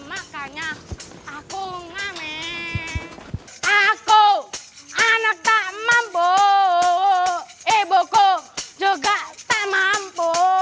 aku anak tak mampu ibuku juga tak mampu